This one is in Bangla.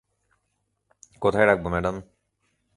কোথায় রাখব, ম্যাডাম?